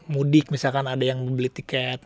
mudik misalkan ada yang beli tiket